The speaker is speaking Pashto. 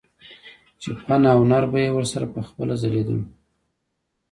چې فن او هنر به يې ورسره پخپله ځليدلو